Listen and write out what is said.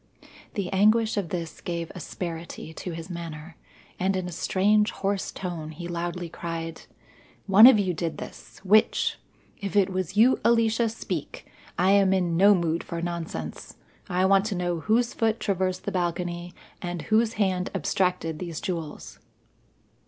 The anguish of this gave asperity to his manner, and in a strange, hoarse tone he loudly cried: "One of you did this. Which? If it was you, Alicia, speak. I am in no mood for nonsense. I want to know whose foot traversed the balcony and whose hand abstracted these jewels."